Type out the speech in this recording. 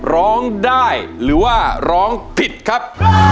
ร้องได้หรือว่าร้องผิดครับ